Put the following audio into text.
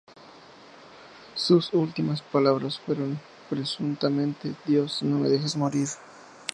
Sus últimas palabras fueron presuntamente ""Dios, no me dejes morir.